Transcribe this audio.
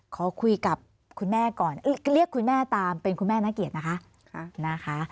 ขอคุยกับคุณแม่ก่อนเรียกคุณแม่ตามเป็นคุณแม่นักเกียรตินะคะ